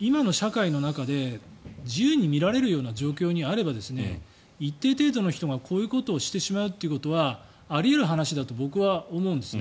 今の社会の中で自由に見られるような状況にあれば一定程度の人がこういうことをしてしまうということはあり得る話だと僕は思うんです。